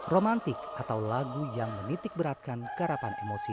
romantik atau lagu yang menitikberatkan karapan emosi